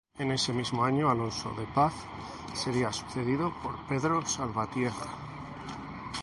En ese mismo año Alonso de Paz sería sucedido por Pedro Salvatierra.